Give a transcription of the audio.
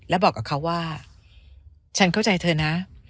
แล้วบอกกับเขาว่าฉันเข้าใจเธอนะ